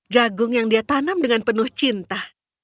jagung yang dia tanam dengan penuh cinta